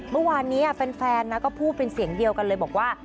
เมื่อวานนี้แฟนนะก็พูดเป็นเสียงเดียวกันเลยบอกว่า